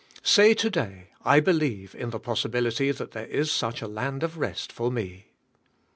Say to day: "I believe in the possibility that there is such a land of rest for me."